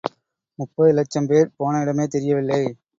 முப்பது இலட்சம் பேர் போன இடமே தெரியவில்லை.